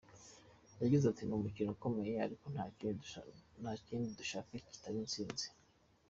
Yagize ati “Ni umukino ukomeye ariko nta kindi dushaka kitari intsinzi.